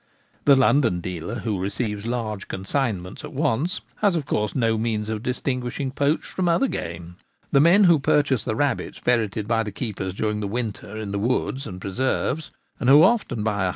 The London dealer, who receives large consignments at once, has of course no means of distinguishing poached from other game. The men who purchase the rabbits ferreted by the keepers during the winter in the woods and preserves, and who often buy ioo